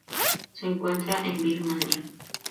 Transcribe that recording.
Se encuentra en Birmania.